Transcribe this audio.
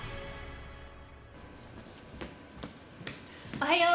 おはよう。